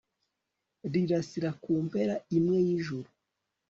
rirasira ku mpera imwe y'ijuru